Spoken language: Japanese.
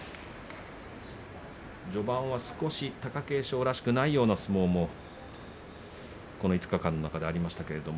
序盤は少し貴景勝らしくない相撲がこの５日間の中でありました。